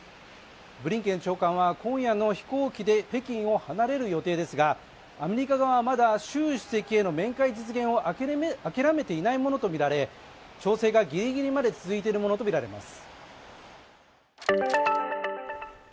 ブリンケン長官は今夜の飛行機で北京を離れる予定ですがアメリカ側は、まだ習主席への面会を諦められないとみられていて調整がぎりぎりまで続いているものとみられます。